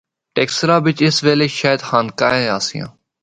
ٹیکسلا بچ اُس ویلے شاید خانقاہیں آسیاں۔